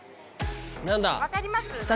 わかります？